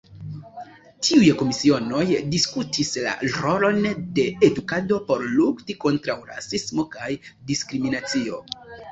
Tiuj komisionoj diskutis la rolon de edukado por lukti kontraŭ rasismo kaj diskriminacio.